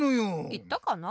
いったかな？